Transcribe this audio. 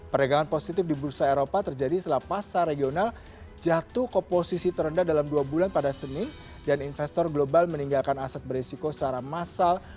perdagangan positif di bursa eropa terjadi setelah pasar regional jatuh ke posisi terendah dalam dua bulan pada senin dan investor global meninggalkan aset beresiko secara massal